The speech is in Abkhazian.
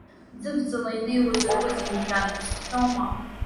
Ӡывҵала инеиуа закәызеи, мшәан, ԥсҭҳәоума?